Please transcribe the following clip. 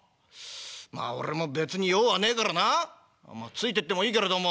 まあ俺も別に用はねえからなついてってもいいけれども。